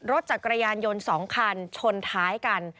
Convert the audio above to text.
รถจักรยานยนต์๒คันชนท้ายกัน